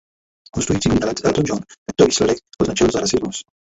Hostující umělec Elton John tento výsledek označil za rasismus.